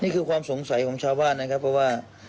ความสงสัยของชาวบ้านนะครับเพราะว่า